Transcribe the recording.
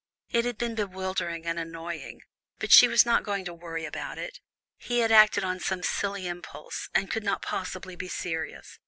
It had been bewildering and annoying, but she was not going to worry about it. He had acted on some silly impulse, and could not possibly be serious.